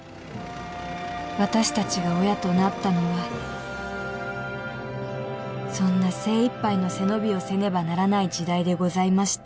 私達が親となったのはそんな精いっぱいの背伸びをせねばならない時代でございました